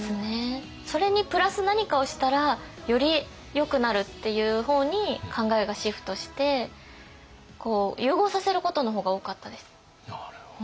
それにプラス何かをしたらよりよくなるっていう方に考えがシフトして融合させることの方が多かったです。